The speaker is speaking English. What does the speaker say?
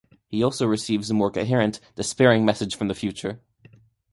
He also receives a more coherent, despairing message from the future.